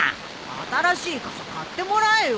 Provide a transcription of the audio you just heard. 新しい傘買ってもらえよ。